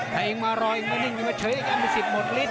แต่เองมารอยมานิ่งมาเฉยเองเอาไปสิบหมดลิตร